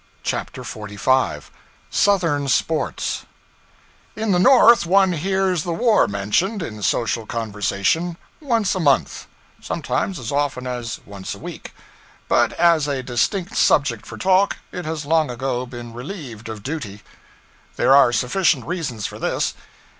CHAPTER 45 Southern Sports IN the North one hears the war mentioned, in social conversation, once a month; sometimes as often as once a week; but as a distinct subject for talk, it has long ago been relieved of duty. There are sufficient reasons for this.